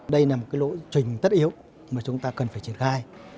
đây là một cái lỗ trình tất yếu mà chúng ta cần phải triển khai